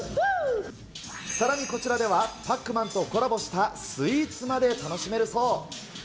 さらにこちらでは、パックマンとコラボしたスイーツまで楽しめるそう。